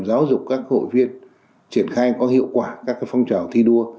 giáo dục các hội viên triển khai có hiệu quả các phong trào thi đua